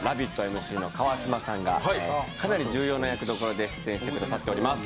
ＭＣの川島さんがかなり重要な役どころで出演してくださっています。